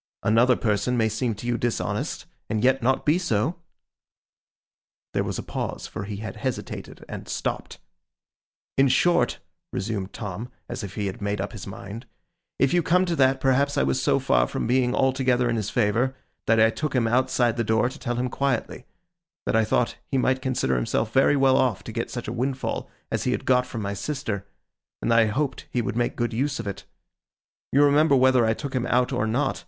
'Another person may seem to you dishonest, and yet not be so.' There was a pause, for he had hesitated and stopped. 'In short,' resumed Tom, as if he had made up his mind, 'if you come to that, perhaps I was so far from being altogether in his favour, that I took him outside the door to tell him quietly, that I thought he might consider himself very well off to get such a windfall as he had got from my sister, and that I hoped he would make good use of it. You remember whether I took him out or not.